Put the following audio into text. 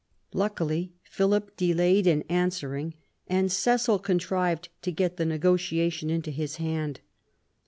Luckily Philip delayed in answering, and Cecil contrived to get the negotiation into his hand.